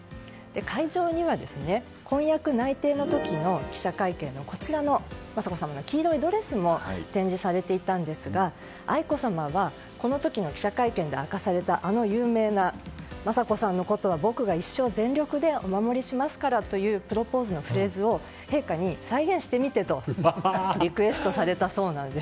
会場には婚約内定の時の記者会見の雅子さまの黄色いドレスも展示されていたんですが愛子さまはこの時の記者会見で明かされたあの有名な、雅子さんのことは僕が一生全力でお守りしますからというプロポーズのフレーズを陛下に再現してみてとリクエストされたそうなんです。